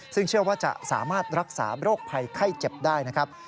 ซึ่งเชื่อว่าจะสามารถรักษาโรคภัยไข้เจ็บได้นะครับ